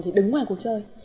thì đứng ngoài cuộc chơi